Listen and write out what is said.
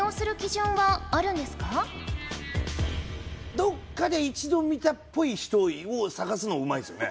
どっかで一度見たっぽい人を探すのうまいですよね。